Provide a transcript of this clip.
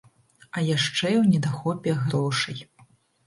А яшчэ ў недахопе грошай.